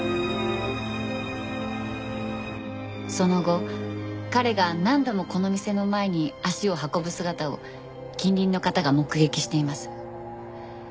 その後彼が何度もこの店の前に足を運ぶ姿を近隣の方が目撃しています。